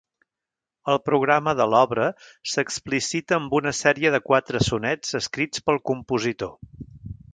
El programa de l'obra s'explicita amb una sèrie de quatre sonets escrits pel compositor.